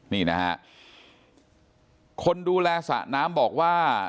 นี่นะฮะคนดูแลสระน้ำบอกว่า